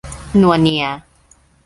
นัวเนีย